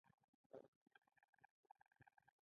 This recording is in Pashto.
وړاندې روانې وې، د اورګاډي انجنیر ته مې وکتل.